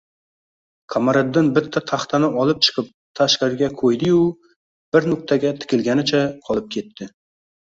Qamariddin bitta taxtani olib chiqib tashqariga qo‘ydi-yu, bir nuqtaga tikilganicha, qolib ketdi